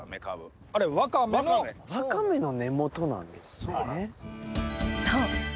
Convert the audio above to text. ワカメの根元なんですね。